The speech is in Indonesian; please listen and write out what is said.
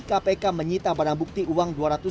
kpk menyita barang bukti uang